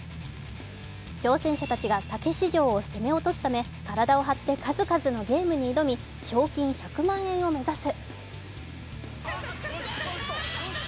挑戦者たちがたけし城を攻め落とすため体を張って数々のゲームに挑み賞金１００万円を目指す。